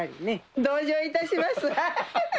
同情いたします。